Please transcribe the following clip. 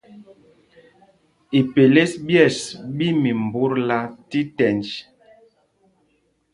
Ipelês ɓyes ɓí mimbutla tí tɛnj.